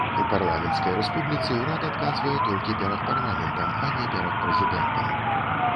У парламенцкай рэспубліцы ўрад адказвае толькі перад парламентам, а не перад прэзідэнтам.